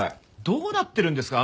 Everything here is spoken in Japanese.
どうなってるんですか？